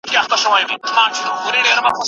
شتمني باید په سمه توګه وویشل سي.